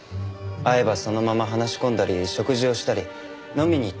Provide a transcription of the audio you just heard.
会えばそのまま話し込んだり食事をしたり飲みに行ったり。